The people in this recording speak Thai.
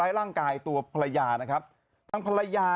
ฮ่าฮ่าฮ่าฮ่าฮ่าฮ่าฮ่า